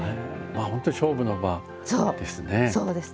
本当に勝負の場ですね。